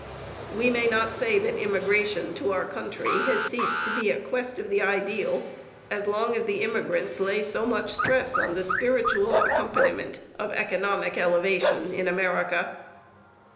We may not say that immigration to our country has ceased to be a quest of the ideal as long as the immigrants lay so much stress on the spiritual accompaniment of economic elevation in America.